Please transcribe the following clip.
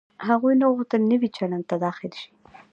هغوی نه غوښتل نوي چلند ته داخل شي.